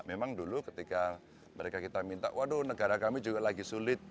memang dulu ketika mereka kita minta waduh negara kami juga lagi sulit